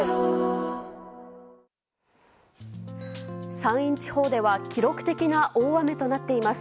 山陰地方では記録的な大雨となっています。